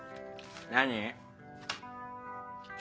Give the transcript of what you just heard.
何？